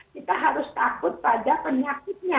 kita harus takut pada penyakitnya